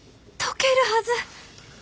解けるはず。